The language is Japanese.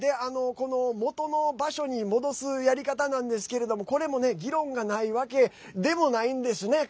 この元の場所に戻すやり方なんですけれどもこれも議論がないわけでもないんですね。